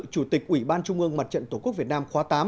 chủ tịch ủy ban trung ương mặt trận tổ quốc việt nam khóa tám